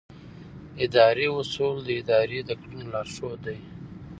اداري اصول د ادارې د کړنو لارښود دي.